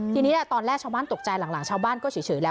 ทีนี้ตอนแรกชาวบ้านตกใจหลังชาวบ้านก็เฉยแล้ว